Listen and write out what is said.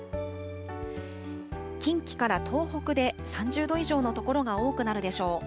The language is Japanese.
近畿から東北で３０度以上の所が多くなるでしょう。